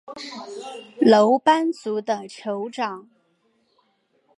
楼班族的酋长。